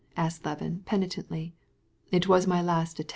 said Levin penitently. "It was my last effort.